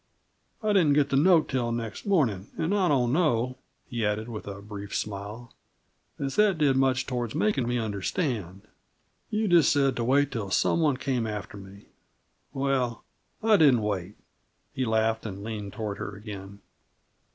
I didn't get the note till next morning; and I don't know," he added, with a brief smile, "as that did much toward making me understand. You just said to wait till some one came after me. Well, I didn't wait." He laughed and leaned toward her again.